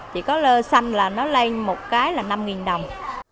chỉ có lơ xanh là nó lên một cái là năm đồng